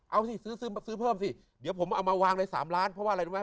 เอาสิซื้อเพิ่มสิเดี๋ยวผมเอามาวางใน๓ล้านเพราะว่าอะไรรู้ไหม